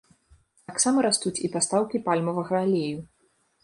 Таксама растуць і пастаўкі пальмавага алею.